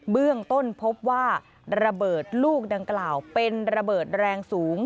เบื้องต้นพบว่าระเบิดลูกดังกล่าวเป็นระเบิดแรงสูง